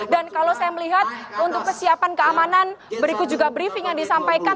dan kalau saya melihat untuk persiapan keamanan berikut juga briefing yang disampaikan